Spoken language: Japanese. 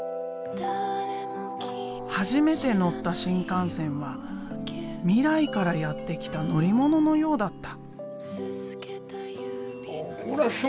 初めて乗った新幹線は未来からやって来た乗り物のようだった。